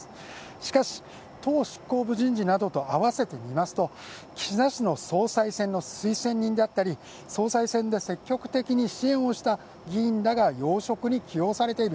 しかし、党執行部人事などとあわせてみますと、岸田氏の総裁選の推薦人であったり、総裁選で積極的に支援をした議員らが要職に起用されている。